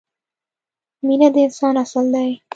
مینه د انسان اصل دی.